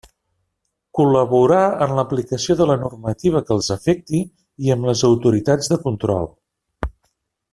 Col·laborar en l'aplicació de la normativa que els afecti i amb les autoritats de control.